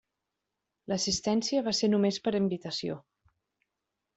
L'assistència va ser només per invitació.